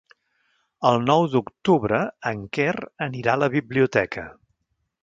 El nou d'octubre en Quer anirà a la biblioteca.